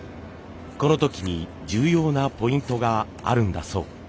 この時に重要なポイントがあるんだそう。